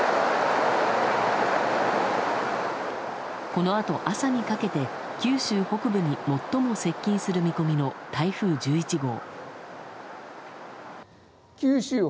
このあと朝にかけて九州北部に最も接近する見込みの台風１１号。